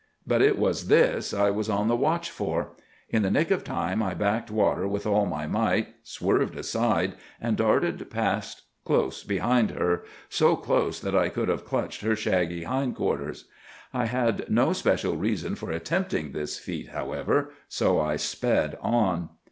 But it was this I was on the watch for. In the nick of time I backed water with all my might, swerved aside, and darted past close behind her—so close that I could have clutched her shaggy hind quarters. I had no special reason for attempting this feat, however, so I sped on.